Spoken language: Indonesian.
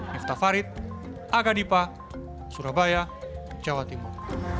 naif tafarid aga dipa surabaya jawa timur